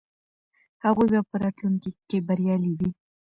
هغوی به په راتلونکي کې بریالي وي.